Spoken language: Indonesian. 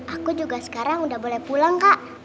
aku juga sekarang udah boleh pulang kak